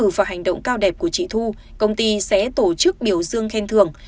dù vào hành động cao đẹp của chị thu công ty sẽ tổ chức biểu dương khen thường